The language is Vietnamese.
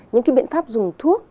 những cái biện pháp dùng thuốc